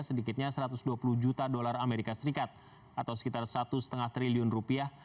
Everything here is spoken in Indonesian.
sedikitnya satu ratus dua puluh juta dolar amerika serikat atau sekitar satu lima triliun rupiah